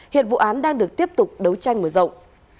hiện vụ án đang được tiếp tục đấu tranh mở rộng